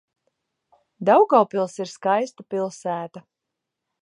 Daugavpils ir skaista pilsēta.